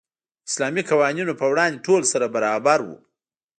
د اسلامي قوانینو په وړاندې ټول سره برابر وو.